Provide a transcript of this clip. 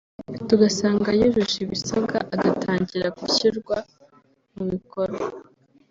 tugasanga yujuje ibisabwa agatangira gushyirwa mu bikorwa